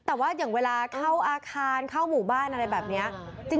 แต่ว่าอย่างเวลาเข้าอาคารเข้าหมู่บ้านอะไรแบบนี้